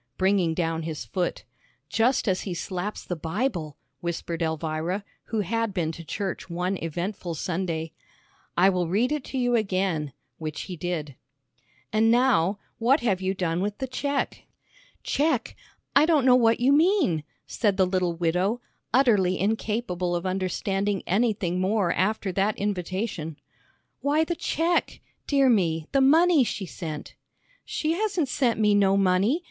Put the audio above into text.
bringing down his foot, "Just as he slaps the Bible," whispered Elvira, who had been to church one eventful Sunday. "I will read it to you again," which he did. "And now, what have you done with the check?" "Check? I don't know what you mean," said the little widow, utterly incapable of understanding anything more after that invitation! "Why, the check, dear me, the money she sent." "She hasn't sent me no money.